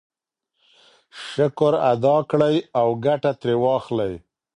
شکر ادا کړئ او ګټه ترې واخلئ.